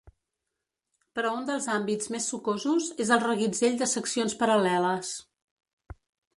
Però un dels àmbits més sucosos és el reguitzell de seccions paral·leles.